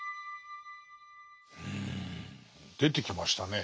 うん出てきましたね。